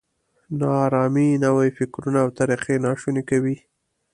نا ارامي نوي فکرونه او طریقې ناشوني کوي.